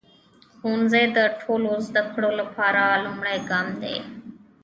ښوونځی د ټولو زده کړو لپاره لومړی ګام دی.